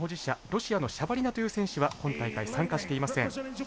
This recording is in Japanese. ロシアのシャバリナという選手は今大会参加していません。